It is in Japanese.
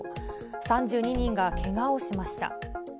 ３２人がけがをしました。